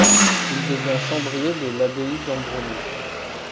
Il devient chambrier de l'abbaye d'Ambronay.